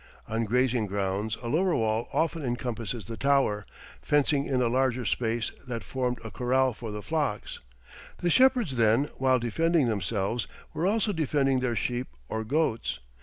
On grazing grounds a lower wall often encompasses the tower, fencing in a larger space that formed a corral for the flocks; the shepherds then, while defending themselves, were also defending their sheep or goats.